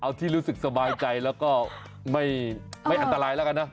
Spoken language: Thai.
เอาที่รู้สึกสบายใจแล้วก็ไม่อันตรายแล้วกันนะ